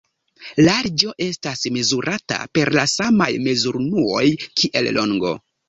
Larĝo estas mezurata per la samaj mezurunuoj kiel longo.